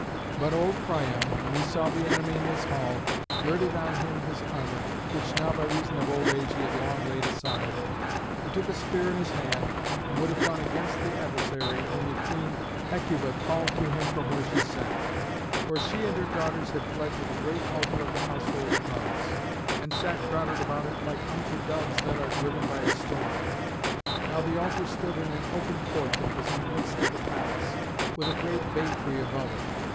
But old Priam, when he saw the enemy in his hall, girded on him his armour, which now by reason of old age he had long laid aside, and took a spear in his hand, and would have gone against the adversary, only Queen Hecuba called to him from where she sat. For she and her daughters had fled to the great altar of the household Gods, and sat crowded about it like unto doves that are driven by a storm. Now the altar stood in an open court that was in the midst of the palace, with a great bay tree above it.